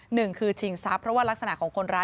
หนึ่งคือชิงทรัพย์เพราะว่ารักษณะของคนร้าย